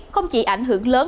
không chỉ ảnh hưởng lớn